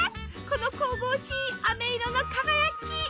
この神々しいあめ色の輝き。